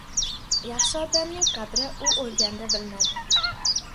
• Yaxshi odamning qadri u o‘lganda bilinadi.